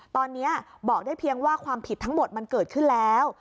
ตอนนี้บอกได้เพียงว่าความผิดทั้งหมดมันเกิดขึ้นแล้ว